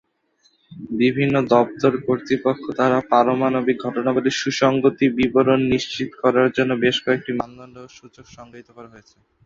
বিভিন্ন দপ্তর কর্তৃপক্ষ দ্বারা পারমাণবিক ঘটনাগুলির সুসংগত বিবরণ নিশ্চিত করার জন্য বেশ কয়েকটি মানদণ্ড এবং সূচক সংজ্ঞায়িত করা হয়েছে।